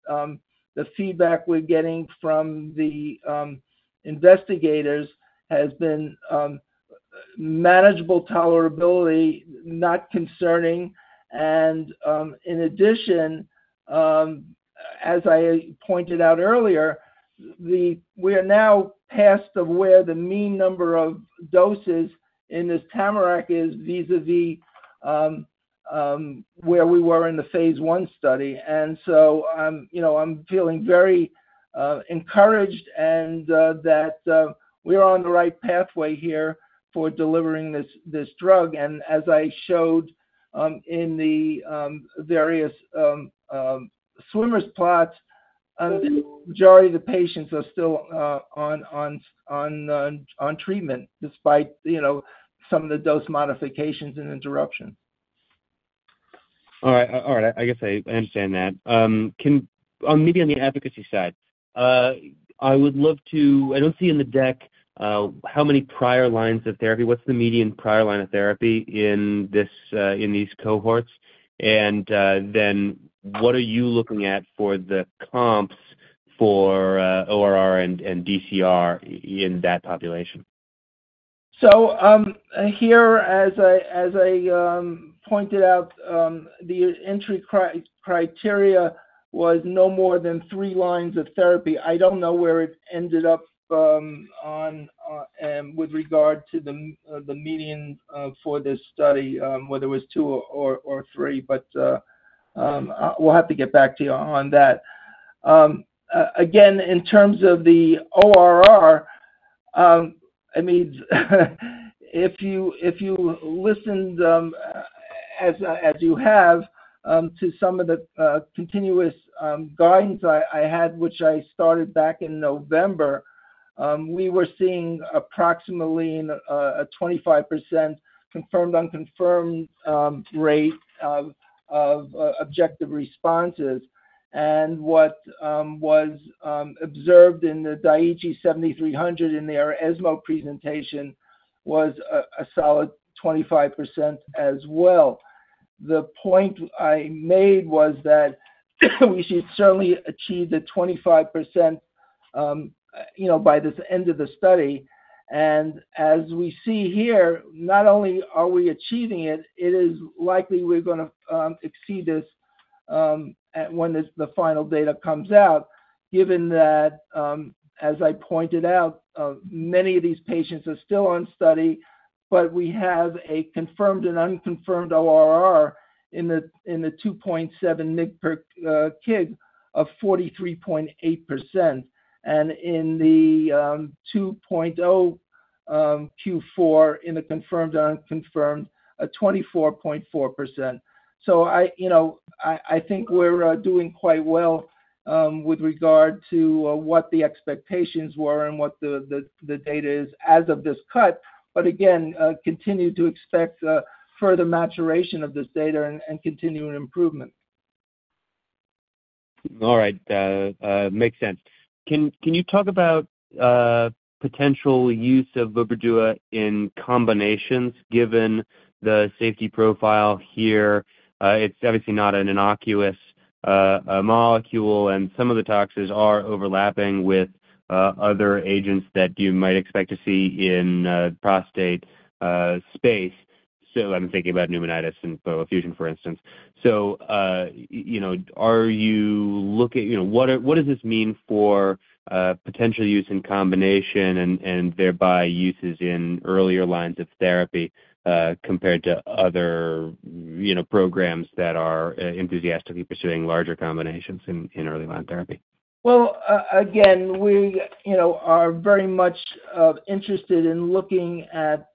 the feedback we're getting from the investigators has been manageable tolerability, not concerning. And, in addition, as I pointed out earlier, we are now past of where the mean number of doses in this TAMARACK is vis-à-vis where we were in the Phase I study. And so I'm, you know, I'm feeling very encouraged and that we're on the right pathway here for delivering this, this drug. As I showed in the various swimmers plots, majority of the patients are still on treatment despite, you know, some of the dose modifications and interruption. All right. All right, I guess I understand that. Maybe on the efficacy side, I would love to. I don't see in the deck how many prior lines of therapy, what's the median prior line of therapy in this, in these cohorts? And then what are you looking at for the comps for ORR and DCR in that population? So, here, as I pointed out, the entry criteria was no more than three lines of therapy. I don't know where it ended up on with regard to the median for this study, whether it was two or three, but we'll have to get back to you on that. Again, in terms of the ORR, I mean, if you listened as you have to some of the continuous guidance I had, which I started back in November, we were seeing approximately a 25% confirmed unconfirmed rate of objective responses. And what was observed in the Daiichi 7300 in their ESMO presentation was a solid 25% as well. The point I made was that we should certainly achieve the 25%, you know, by this end of the study. And as we see here, not only are we achieving it, it is likely we're gonna exceed this at when the final data comes out, given that, as I pointed out, many of these patients are still on study, but we have a confirmed and unconfirmed ORR in the 2.7 mg per kg of 43.8%, and in the 2.0 Q4 in a confirmed or unconfirmed 24.4%. So I, you know, I think we're doing quite well with regard to what the expectations were and what the data is as of this cut. But again, continue to expect further maturation of this data and continuing improvement. All right, makes sense. Can you talk about potential use of vobra duo in combinations, given the safety profile here? It's obviously not an innocuous molecule, and some of the toxins are overlapping with other agents that you might expect to see in prostate space. So I'm thinking about pneumonitis and neutropenia, for instance. So you know, are you looking? You know, what does this mean for potential use in combination and thereby uses in earlier lines of therapy compared to other, you know, programs that are enthusiastically pursuing larger combinations in early line therapy? Well, again, we, you know, are very much interested in looking at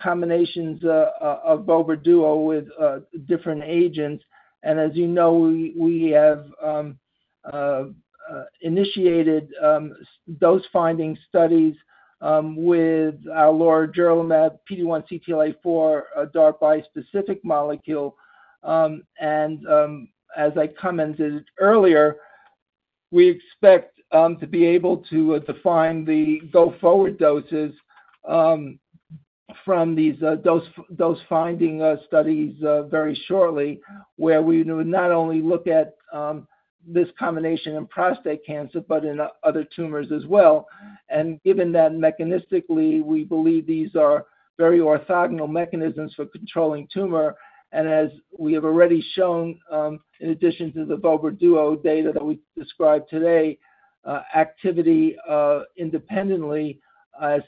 combinations of vobra duo with different agents. And as you know, we have initiated dose-finding studies with our lorigerlimab, PD-1 CTLA-4 DART-specific molecule. And as I commented earlier, we expect to be able to define the go-forward doses from these dose-finding studies very shortly, where we would not only look at this combination in prostate cancer, but in other tumors as well. Given that mechanistically, we believe these are very orthogonal mechanisms for controlling tumor, and as we have already shown, in addition to the vobra duo data that we described today, activity independently,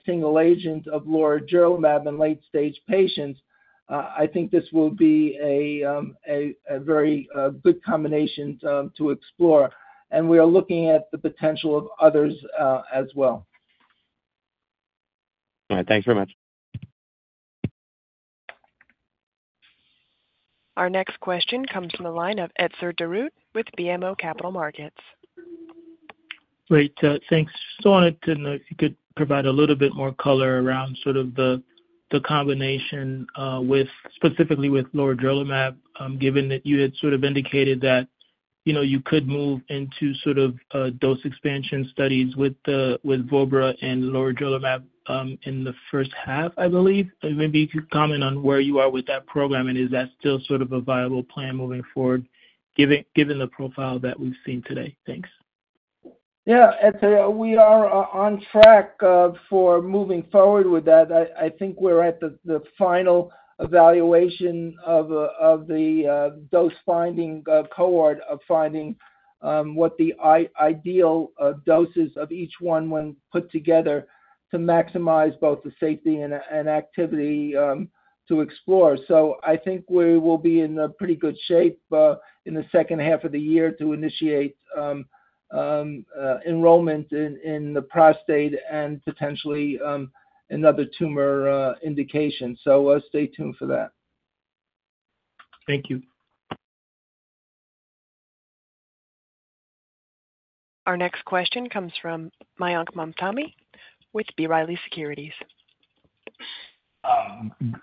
single agent of lorigerlimab in late stage patients, I think this will be a very good combination to explore, and we are looking at the potential of others, as well. All right. Thank you very much. Our next question comes from the line of Etzer Darout with BMO Capital Markets. Great, thanks. Just wanted to know if you could provide a little bit more color around sort of the, the combination, with, specifically with lorigerlimab, given that you had sort of indicated that, you know, you could move into sort of, dose expansion studies with the, with vobra and lorigerlimab, in the first half, I believe. Maybe if you could comment on where you are with that program, and is that still sort of a viable plan moving forward, given, given the profile that we've seen today? Thanks. Yeah, Etzer, we are on track for moving forward with that. I think we're at the final evaluation of the dose-finding cohort for finding what the ideal doses of each one when put together to maximize both the safety and activity to explore. So I think we will be in a pretty good shape in the second half of the year to initiate enrollment in the prostate and potentially another tumor indication. So stay tuned for that. Thank you. Our next question comes from Mayank Mamtani with B. Riley Securities.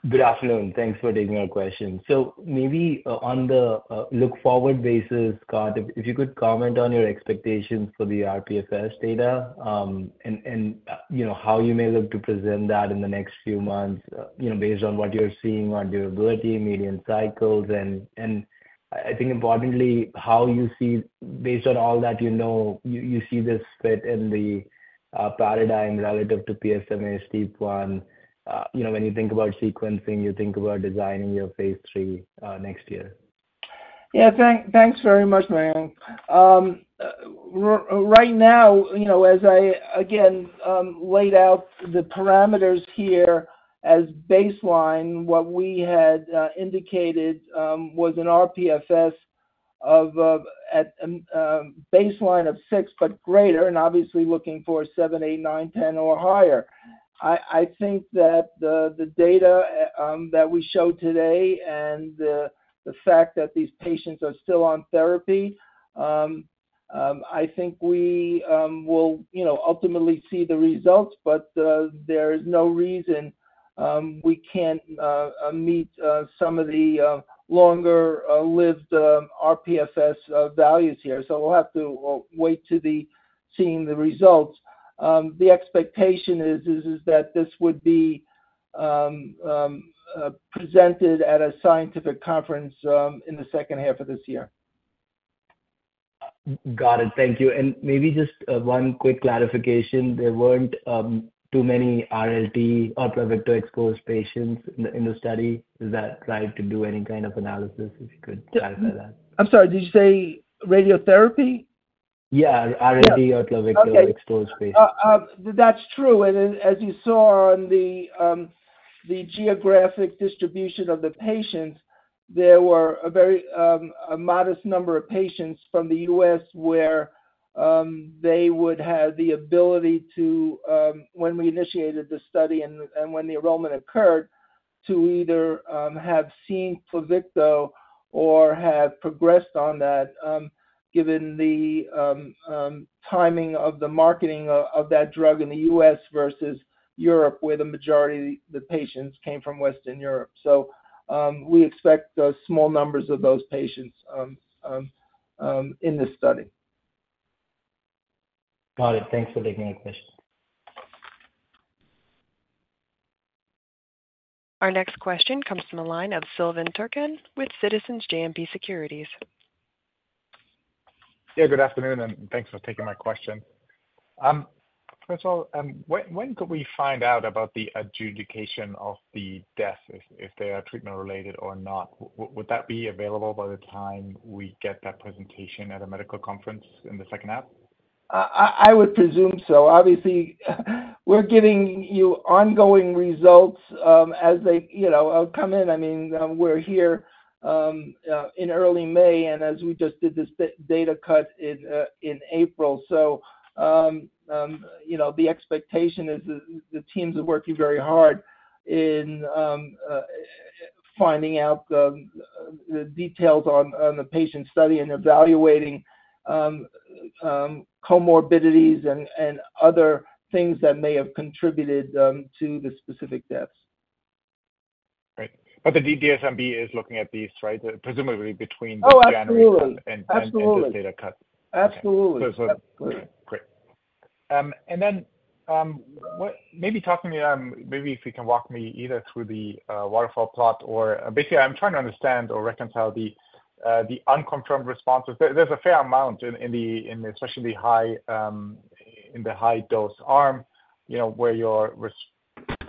Good afternoon. Thanks for taking our question. So maybe on the look-forward basis, Scott, if you could comment on your expectations for the rPFS data, and you know, how you may look to present that in the next few months, you know, based on what you're seeing on durability, median cycles. And I think importantly, how you see based on all that you know, you see this fit in the paradigm relative to PSMA, STEAP1. You know, when you think about sequencing, you think about designing your Phase III next year. Yeah, thanks very much, Mayank. Right now, you know, as I again laid out the parameters here as baseline, what we had indicated was an rPFS of at baseline of six, but greater, and obviously looking for 7, 8, 9, 10, or higher. I think that the data that we showed today and the fact that these patients are still on therapy, I think we will, you know, ultimately see the results, but there is no reason we can't meet some of the longer lived rPFS values here. So we'll have to wait to be seeing the results. The expectation is that this would be presented at a scientific conference in the second half of this year. Got it. Thank you. And maybe just one quick clarification: there weren't too many RLT or Pluvicto-exposed patients in the study. Does that try to do any kind of analysis, if you could clarify that? I'm sorry, did you say radiotherapy? Yeah, RLT or Pluvicto-exposed patients. Okay. That's true. And then as you saw on the geographic distribution of the patients, there were a very modest number of patients from the U.S. where they would have the ability to, when we initiated the study and when the enrollment occurred, to either have seen Pluvicto or have progressed on that, given the timing of the marketing of that drug in the U.S. versus Europe, where the majority of the patients came from Western Europe. So we expect small numbers of those patients in this study. Got it. Thanks for taking my question. Our next question comes from the line of Silvan Tuerkcan with Citizens JMP Securities. Yeah, good afternoon, and thanks for taking my question. First of all, when could we find out about the adjudication of the death, if they are treatment related or not? Would that be available by the time we get that presentation at a medical conference in the second half? I would presume so. Obviously, we're giving you ongoing results, as they, you know, come in. I mean, we're here in early May, and as we just did this data cut in in April. So, you know, the expectation is the teams are working very hard in finding out the details on the patient study and evaluating comorbidities and other things that may have contributed to the specific deaths. Right. But the DSMB is looking at these, right? Presumably between- Oh, absolutely. January and this data cut. Absolutely. Great. And then, what—maybe talk to me, maybe if you can walk me either through the waterfall plot or... Basically, I'm trying to understand or reconcile the unconfirmed responses. There's a fair amount, especially in the high-dose arm, you know, where your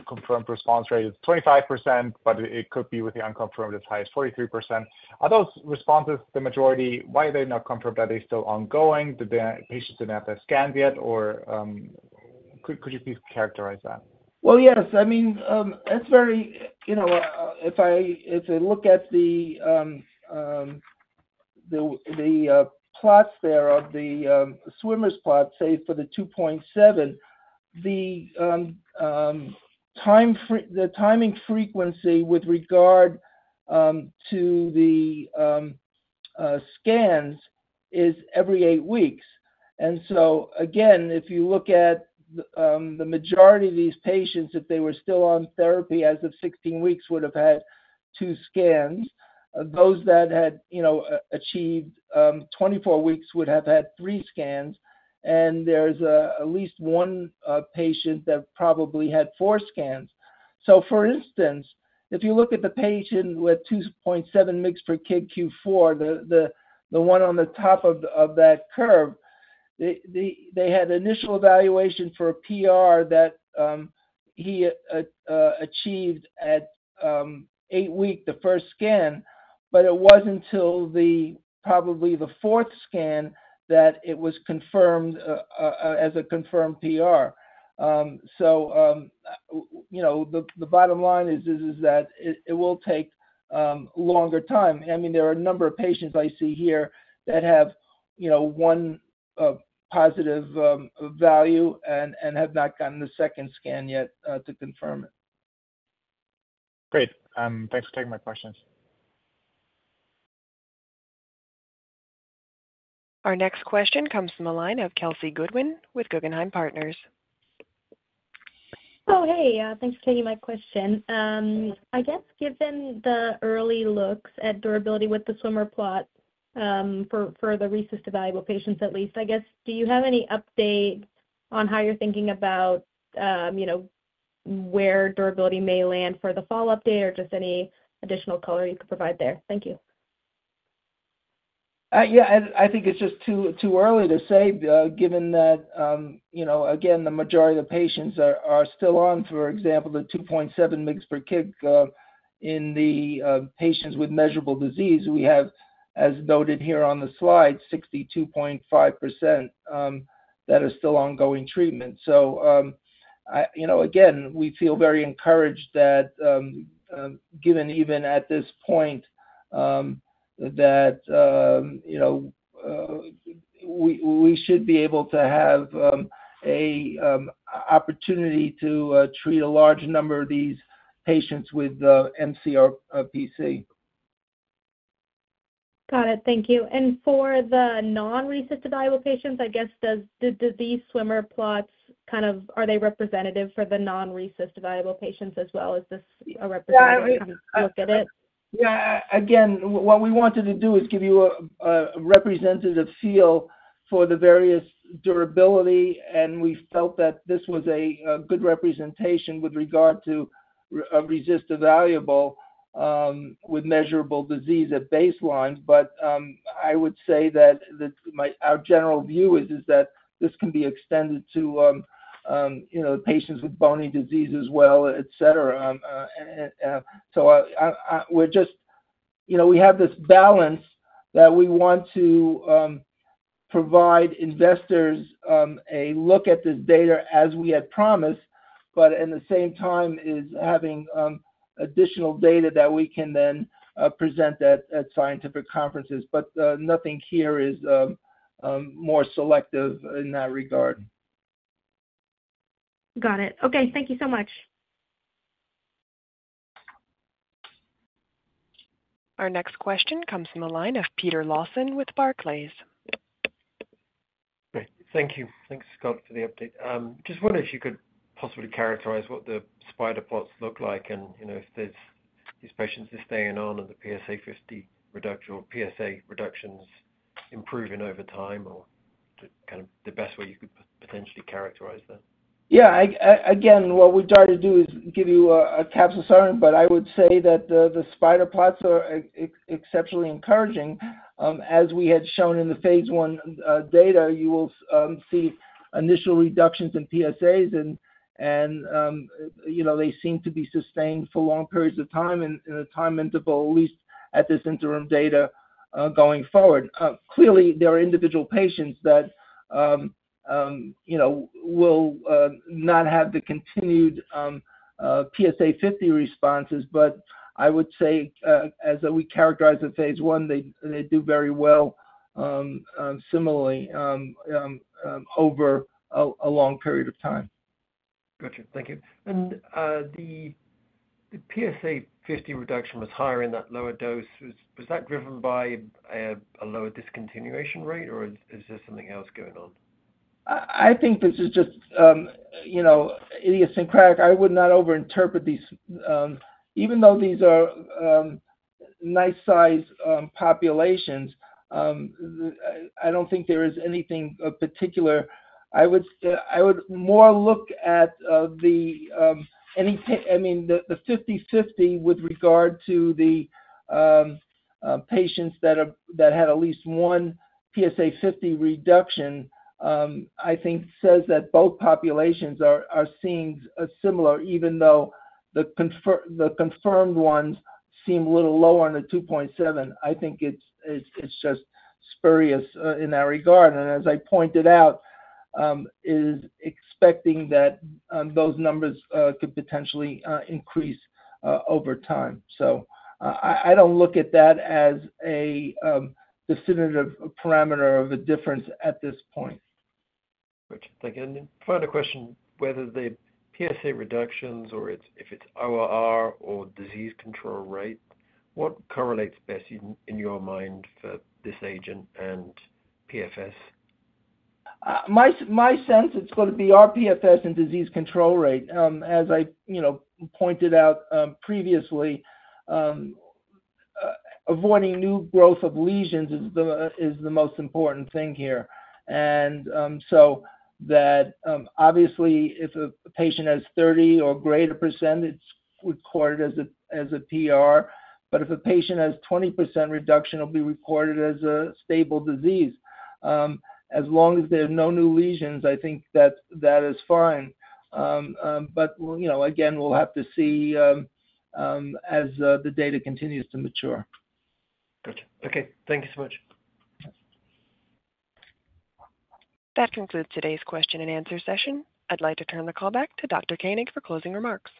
confirmed response rate is 25%, but it could be with the unconfirmed as high as 43%. Are those responses the majority? Why are they not confirmed? Are they still ongoing? Did the patients didn't have that scan yet, or could you please characterize that? Well, yes. I mean, it's very, you know, if I look at the plots there of the swimmers plot, say, for the 2.7, the time fr- the timing frequency with regard to the scans is every 8 weeks. And so again, if you look at the majority of these patients, if they were still on therapy as of 16 weeks, would have had two scans. Those that had, you know, achieved 24 weeks would have had three scans, and there's at least one patient that probably had four scans. So for instance, if you look at the patient with 2.7 mg per kg Q4, the one on the top of that curve, they had initial evaluation for a PR that he achieved at eight weeks, the first scan, but it wasn't until probably the fourth scan that it was confirmed as a confirmed PR. So you know, the bottom line is that it will take longer time. I mean, there are a number of patients I see here that have, you know, one positive value and have not gotten the second scan yet to confirm it. Great. Thanks for taking my questions. Our next question comes from the line of Kelsey Goodwin with Guggenheim Partners. Oh, hey. Thanks for taking my question. I guess given the early looks at durability with the swimmer plot, for the pre-specified evaluable patients at least, I guess, do you have any update on how you're thinking about, you know, where durability may land for the fall update or just any additional color you could provide there? Thank you. Yeah, I think it's just too early to say, given that, you know, again, the majority of the patients are still on, for example, the 2.7 mg/kg, in the patients with measurable disease. We have, as noted here on the slide, 62.5% that is still ongoing treatment. So, you know, again, we feel very encouraged that, given even at this point, that, you know, we should be able to have an opportunity to treat a large number of these patients with mCRPC. Got it. Thank you. And for the non-RECIST patients, I guess, do these swimmer plots kind of are they representative for the non-RECIST patients as well? Is this a representative look at it? Yeah. Again, what we wanted to do is give you a representative feel for the various durability, and we felt that this was a good representation with regard to RECIST, with measurable disease at baseline. But I would say that our general view is that this can be extended to, you know, patients with bony disease as well, et cetera. So we're just... You know, we have this balance that we want to provide investors a look at this data as we had promised, but at the same time is having additional data that we can then present at scientific conferences. But nothing here is more selective in that regard. Got it. Okay. Thank you so much. Our next question comes from the line of Peter Lawson with Barclays. Great. Thank you. Thanks, Scott, for the update. Just wonder if you could possibly characterize what the spider plots look like, and, you know, if these, these patients are staying on, and the PSA 50 reduction or PSA reductions improving over time, or kind of the best way you could potentially characterize that? Yeah, again, what we try to do is give you a capsule summary, but I would say that the spider plots are exceptionally encouraging. As we had shown in the Phase I data, you will see initial reductions in PSAs and, you know, they seem to be sustained for long periods of time and in a time interval, at least at this interim data, going forward. Clearly, there are individual patients that, you know, will not have the continued PSA 50 responses, but I would say, as we characterize at Phase I, they do very well over a long period of time. Gotcha. Thank you. And the PSA50 reduction was higher in that lower dose. Was that driven by a lower discontinuation rate, or is there something else going on? I, I think this is just, you know, idiosyncratic. I would not overinterpret these. Even though these are nice size populations, I don't think there is anything of particular. I would say, I would more look at, I mean, the 50/50 with regard to the patients that are, that had at least one PSA 50 reduction. I think says that both populations are, are seeing a similar, even though the confirmed ones seem a little lower on the 2.7. I think it's, it's, it's just spurious in that regard, and as I pointed out, is expecting that those numbers could potentially increase over time. So I, I, I don't look at that as a definitive parameter of a difference at this point. Got you. Thank you. Then final question, whether the PSA reductions or it's, if it's ORR or disease control rate, what correlates best in your mind for this agent and PFS? My sense, it's going to be rPFS and disease control rate. As I, you know, pointed out previously, avoiding new growth of lesions is the most important thing here. And so that, obviously, if a patient has 30% or greater, it's recorded as a PR, but if a patient has 20% reduction, it'll be recorded as a stable disease. As long as there are no new lesions, I think that that is fine. But, you know, again, we'll have to see as the data continues to mature. Gotcha. Okay, thank you so much. That concludes today's question and answer session. I'd like to turn the call back to Dr. Koenig for closing remarks.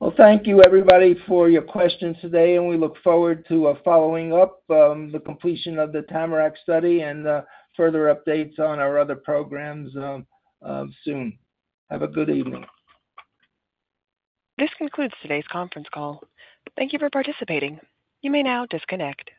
Well, thank you, everybody, for your questions today, and we look forward to following up the completion of the TAMARACK study and further updates on our other programs soon. Have a good evening. This concludes today's conference call. Thank you for participating. You may now disconnect.